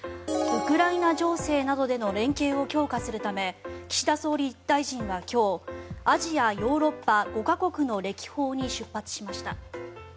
ウクライナ情勢などでの連携を強化するため岸田総理大臣は今日アジア・ヨーロッパ５か国の歴訪に出発しました。